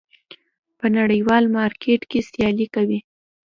په نړیوال مارکېټ کې سیالي کوي.